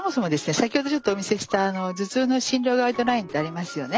先ほどちょっとお見せした頭痛の診療ガイドラインってありますよね？